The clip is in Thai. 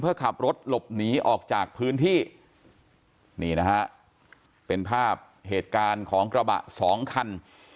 เพื่อขับรถหลบหนีออกจากพื้นที่นี่นะฮะเป็นภาพเหตุการณ์ของกระบะสองคัน